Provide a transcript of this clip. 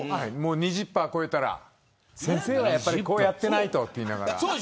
２０％を超えたら先生はやっぱりこうやっていないとと言いながら。